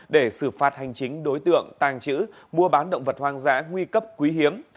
để xử phạt hành chính đối tượng tàng trữ mua bán động vật hoang dã nguy cấp quý hiếm